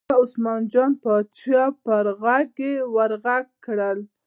وه عثمان جان پاچا په غږ یې ور غږ کړل.